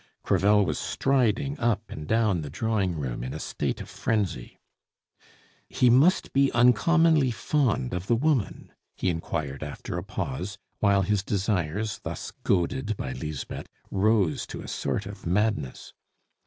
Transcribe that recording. Crevel was striding up and down the drawing room in a state of frenzy. "He must be uncommonly fond of the woman?" he inquired after a pause, while his desires, thus goaded by Lisbeth, rose to a sort of madness.